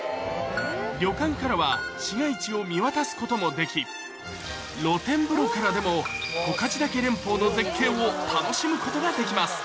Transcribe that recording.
旅館からは市街地を見渡すこともでき露天風呂からでもの絶景を楽しむことができます